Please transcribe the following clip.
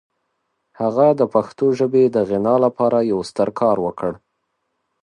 هغه د پښتو ژبې د غنا لپاره یو ستر کار وکړ.